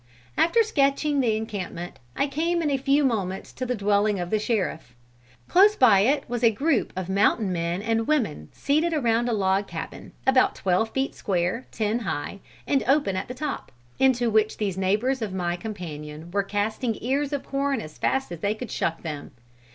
"After sketching the encampment I came in a few moments to the dwelling of the sheriff. Close by it was a group of mountain men and women seated around a log cabin, about twelve feet square, ten high, and open at the top, into which these neighbors of my companion were casting ears of corn as fast as they could shuck them.